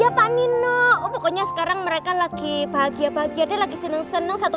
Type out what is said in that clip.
ya pak nino pokoknya sekarang mereka lagi bahagia bahagia lagi seneng seneng satu